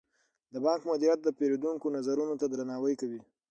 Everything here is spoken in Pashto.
د بانک مدیریت د پیرودونکو نظرونو ته درناوی کوي.